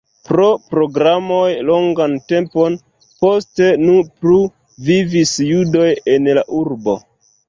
Pro pogromoj longan tempon poste ne plu vivis judoj en la urbo.